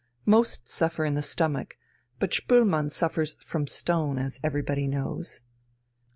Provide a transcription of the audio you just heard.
Most suffer in the stomach, but Spoelmann suffers from stone as everybody knows."